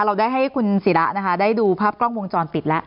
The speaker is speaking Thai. เราได้ให้คุณศิระนะคะได้ดูภาพกล้องวงจรปิดแล้ว